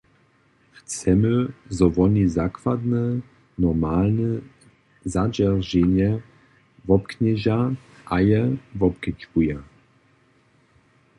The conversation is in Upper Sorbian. Chcemy, zo woni zakładne normy zadźerženja wobknježa a je wobkedźbuja.